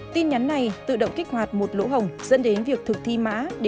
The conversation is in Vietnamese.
tin nhắn này tự động kích hoạt một lỗ hồng dẫn đến việc thực thi mã để leo thang ở dưới